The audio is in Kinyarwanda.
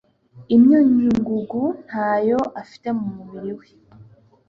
imyunyungugu ntayo afite mumubiri we